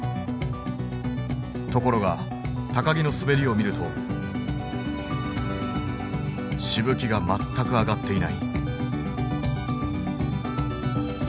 ところが木の滑りを見るとしぶきが全く上がっていない。